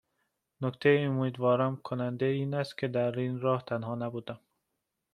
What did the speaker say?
نکته امیدوارم کننده این است که در این راه تنها نبودم